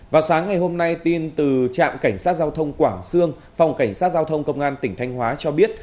vào sáng ngày hôm nay tin từ trạm cảnh sát giao thông quảng sương phòng cảnh sát giao thông công an tỉnh thanh hóa cho biết